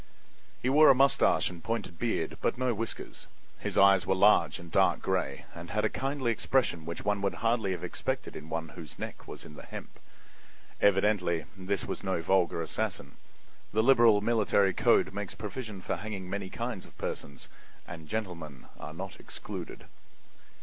He wore a moustache and pointed beard, but no whiskers; his eyes were large and dark gray, and had a kindly expression which one would hardly have expected in one whose neck was in the hemp. Evidently this was no vulgar assassin. The liberal military code makes provision for hanging many kinds of persons, and gentlemen are not excluded.